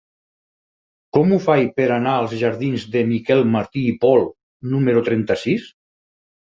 Com ho faig per anar als jardins de Miquel Martí i Pol número trenta-sis?